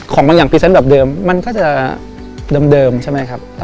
ของบางอย่างพรีเซนต์แบบเดิมมันก็จะเดิมใช่ไหมครับ